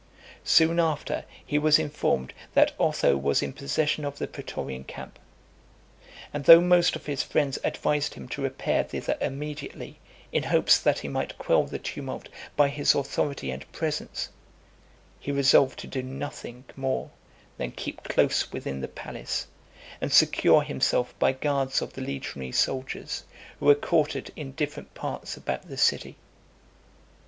Soon after, he was informed, that Otho was in possession of the pretorian camp. And though most of his friends advised him to repair thither immediately, (413) in hopes that he might quell the tumult by his authority and presence, he resolved to do nothing more than keep close within the palace, and secure himself by guards of the legionary soldiers, who were quartered in different parts about the city.